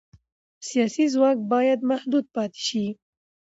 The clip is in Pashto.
سیاسي ځواک باید محدود پاتې شي